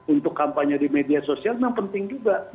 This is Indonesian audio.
untuk kampanye di media sosial memang penting juga